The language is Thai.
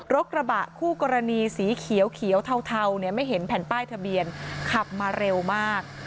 กระบะคู่กรณีสีเขียวเทาเนี่ยไม่เห็นแผ่นป้ายทะเบียนขับมาเร็วมาก